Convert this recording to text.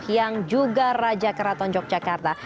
yang juga raja keraton yogyakarta